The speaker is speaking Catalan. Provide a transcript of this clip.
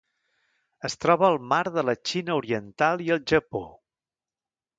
Es troba al Mar de la Xina Oriental i el Japó.